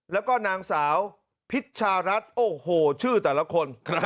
แล้วก็นางสาวพิชชารัฐโอ้โหชื่อแต่ละคน